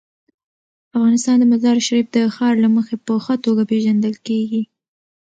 افغانستان د مزارشریف د ښار له مخې په ښه توګه پېژندل کېږي.